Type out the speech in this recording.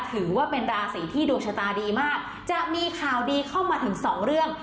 ถือว่าเป็นราศีที่ดวงชะตาดีมากจะมีข่าวดีเข้ามาถึงสองเรื่อง